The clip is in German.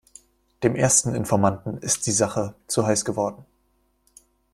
Dem ersten Informanten ist die Sache zu heiß geworden.